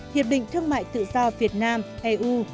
hiệp định thương mại tự do việt nam eu